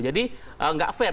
jadi nggak fair